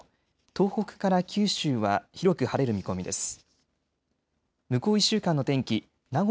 東北から九州は広く晴れる見込みです。